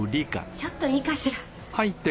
ちょっといいかしら？